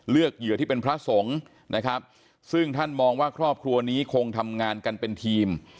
เหยื่อที่เป็นพระสงฆ์นะครับซึ่งท่านมองว่าครอบครัวนี้คงทำงานกันเป็นทีม